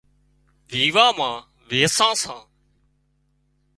ويوان مان ويسان سان